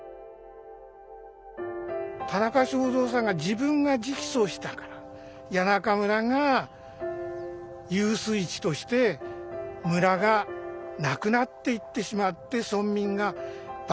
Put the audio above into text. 田中正造さんが自分が直訴したから谷中村が遊水池として村がなくなっていってしまって村民がバラバラにならざるをえなくなった。